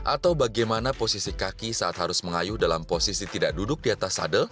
atau bagaimana posisi kaki saat harus mengayuh dalam posisi tidak duduk di atas sadel